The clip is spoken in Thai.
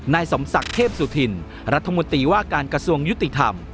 นายสมศักดิ์เทพสุธินรัฐมนตรีว่าการกระทรวงยุติธรรม